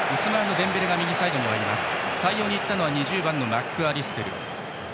デンベレに対応したのは２０番のマックアリステル。